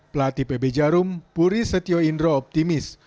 pelatih pb jarum puri setio indro optimis